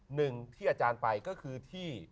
หนึ่งที่อาจารย์ไปก็คือที่